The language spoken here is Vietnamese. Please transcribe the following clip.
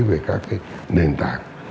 về các nền tảng